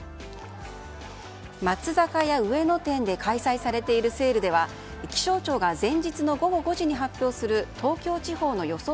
松坂屋上野店で開催されているセールでは気象庁が前日の午後５時に発表する東京地方の予想